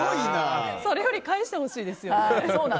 それより返してほしいですよね。